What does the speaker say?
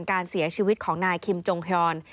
การเสียชีวิตของนายคิมจงฮอน